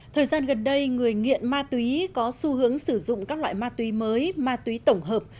thời gian gần đây người nghiện ma túy có xu hướng sử dụng các loại ma túy mới ma túy tổng hợp